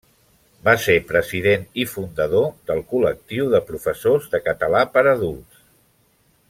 Va ser president i fundador del Col·lectiu de Professors de Català per Adults.